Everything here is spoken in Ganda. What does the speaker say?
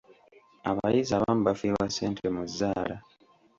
Abayizi abamu bafiirwa ssente mu zzaala?